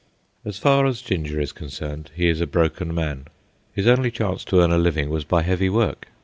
As far as Ginger is concerned, he is a broken man. His only chance to earn a living was by heavy work.